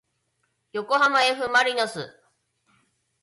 よこはまえふまりのす